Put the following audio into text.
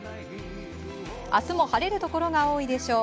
明日も晴れるところが多いでしょう。